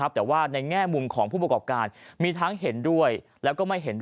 แต่ว่าในแง่มุมของผู้ประกอบการมีทั้งเห็นด้วยแล้วก็ไม่เห็นด้วย